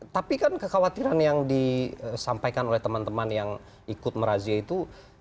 tapi kan kekhawatiran yang disampaikan oleh teman teman yang ikut merazia itu